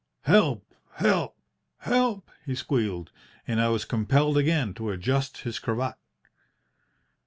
"'Help! help! help!' he squealed, and I was compelled again to adjust his cravat.